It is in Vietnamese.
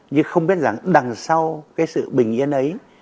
như không biết rằng đằng sau cái sự bình yên ấy